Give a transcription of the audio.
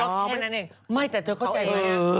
แค่นั้นเองไม่แต่เธอเข้าใจไหม